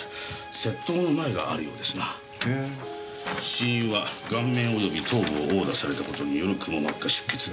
死因は顔面及び頭部を殴打された事によるくも膜下出血。